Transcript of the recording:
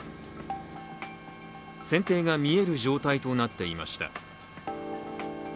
船底が見える状態となっていました。